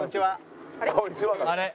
「あれ？」